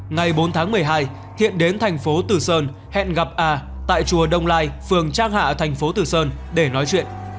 ngày bốn tháng một mươi hai thiện đến thành phố từ sơn hẹn gặp a tại chùa đông lai phường trác hạ thành phố từ sơn để nói chuyện